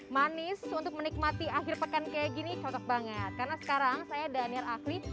manis untuk menikmati akhir pekan kayak gini cocok banget karena sekarang saya daniel afri